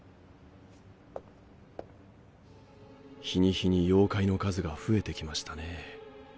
日に日に妖怪の数が増えてきましたね。